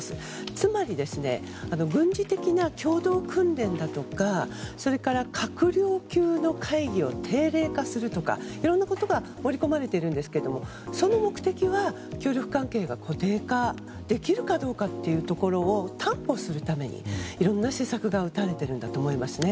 つまり、軍事的な共同訓練だとかそれから、閣僚級の会議を定例化するとかいろんなことが盛り込まれていますがその目的は協力関係が固定化できるかどうかということを担保するためにいろいろな施策が打たれているんだと思いますね。